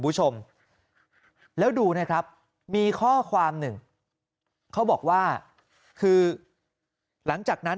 คุณผู้ชมแล้วดูนะครับมีข้อความหนึ่งเขาบอกว่าคือหลังจากนั้น